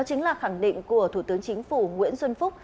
chính là khẳng định của thủ tướng chính phủ nguyễn xuân phúc